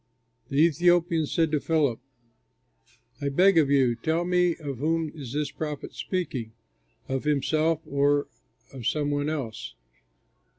The Ethiopian said to Philip, "I beg of you, tell me of whom is the prophet speaking? Of himself or of some one else?"